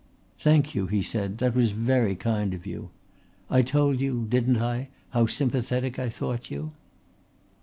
"Thank you," he said. "That was very kind of you. I told you didn't I? how sympathetic I thought you."